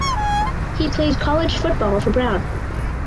He played college football for Brown.